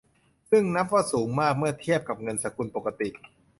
ซึ่งนับว่าสูงมากเมื่อเทียบกับเงินสกุลปกติ